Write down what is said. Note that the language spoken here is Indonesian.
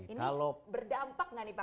ini berdampak nggak nih pak